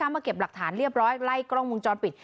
มาเก็บหลักฐานเรียบร้อยไล่กล้องมุมจรปิด